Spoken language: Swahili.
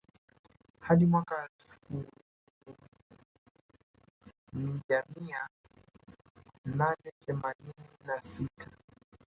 Hadi mwaka wa elfu mija mia nane themanini na sita